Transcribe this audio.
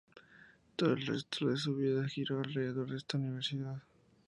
Todo el resto de su vida giró alrededor de esta universidad.